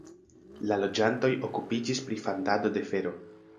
La loĝantoj okupiĝis pri fandado de fero.